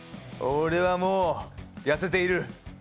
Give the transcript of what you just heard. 俺はもう、痩せている。